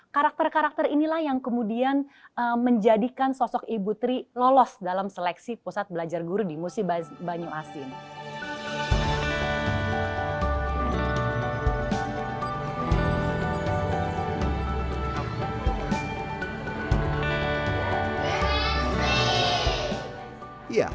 karakter karakter inilah yang kemudian menjadikan sosok ibu tri lolos dalam seleksi pusat belajar guru di musi basni